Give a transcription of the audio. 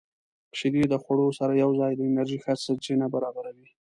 • شیدې د خوړو سره یوځای د انرژۍ ښه سرچینه برابروي.